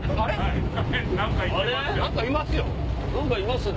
何かいますよ。